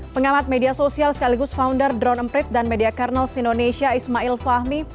pengamat media sosial sekaligus founder drone emprit dan media kernels indonesia ismail fahmi